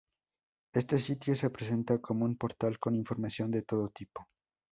Este sitio se presenta como un portal con información de todo tipo.